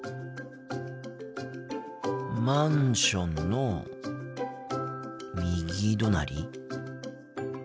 マンションの右隣？